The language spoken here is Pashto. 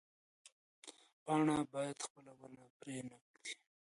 پاڼه باید خپله ونه پرې نه ږدي.